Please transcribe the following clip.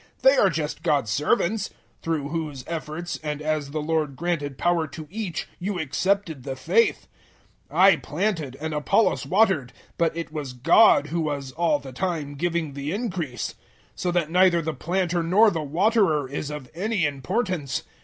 They are just God's servants, through whose efforts, and as the Lord granted power to each, you accepted the faith. 003:006 I planted and Apollos watered; but it was God who was, all the time, giving the increase. 003:007 So that neither the planter nor the waterer is of any importance.